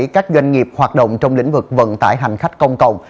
các doanh nghiệp hoạt động trong lĩnh vực vận tải hành khách công cộng